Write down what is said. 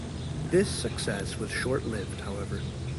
This success was short-lived, however.